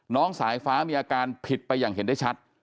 น้องสายฟ้ามีอาการผิดไปอย่างเห็นได้ชัด